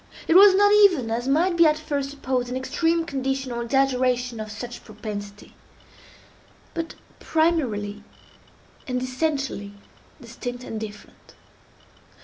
It was not even, as might be at first supposed, an extreme condition, or exaggeration of such propensity, but primarily and essentially distinct and different.